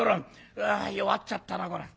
「弱っちゃったなこら」。